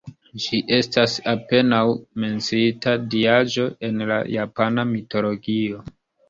Ĝi estas apenaŭ menciita diaĵo en la japana mitologio.